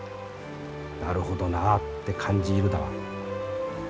なるほどなあって感じ入るだわ。